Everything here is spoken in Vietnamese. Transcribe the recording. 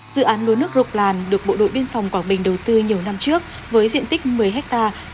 dự án lúa nước rục làn được bộ đội biên phòng quảng bình đầu tư nhiều năm trước với diện tích một mươi hectare